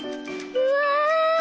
うわ！